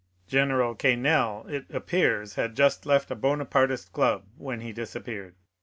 General Quesnel, it appears, had just left a Bonapartist club when he disappeared.